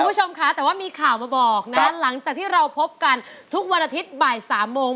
คุณผู้ชมค่ะแต่ว่ามีข่าวมาบอกนะหลังจากที่เราพบกันทุกวันอาทิตย์บ่ายสามโมง